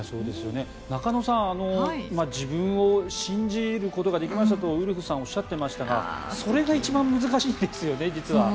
中野さん自分を信じることができましたとウルフさんはおっしゃっていましたがそれが実は一番難しいんですよね。